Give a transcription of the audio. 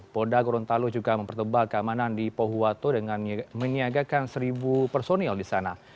polda gorontalo juga mempertebal keamanan di pohuwato dengan menyiagakan seribu personil di sana